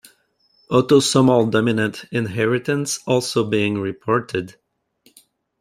Autosomal dominant inheritance also being reported.